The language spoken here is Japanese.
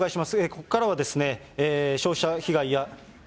ここからは、消費者被害や。